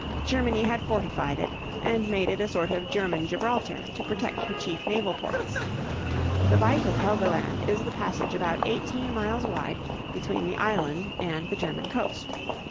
Germany had fortified it and made it a sort of German Gibraltar to protect her chief naval ports. The Bight of Helgoland is the passage about eighteen miles wide between the island and the German coast.